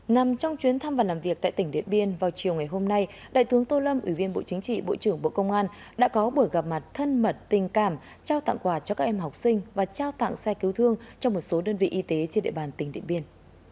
nằm trong chuyến thăm và làm việc tại tỉnh điện biên vào chiều ngày hôm nay đại tướng tô lâm ủy viên bộ chính trị bộ trưởng bộ công an đã có buổi gặp mặt thân mật tình cảm trao tặng quà cho các em học sinh và trao tặng xe cứu thương cho một số đơn vị y tế trên địa bàn tỉnh điện biên